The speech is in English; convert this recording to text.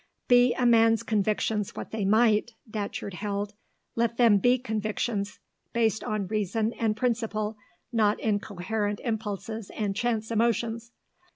Be a man's convictions what they might, Datcherd held, let them be convictions, based on reason and principle, not incoherent impulses and chance emotions.